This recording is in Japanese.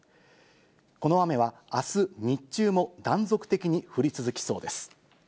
この雨は、あす日中も断続的に降り続きそうです。